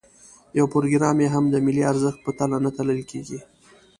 یو پروګرام یې هم د ملي ارزښت په تله نه تلل کېږي.